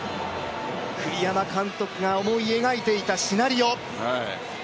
栗山監督が思い描いていたシナリオ。